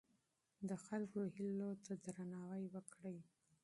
د خلکو هیلو ته درناوی وکړئ.